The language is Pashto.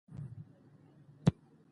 حمید ماشوخېل څه وایي؟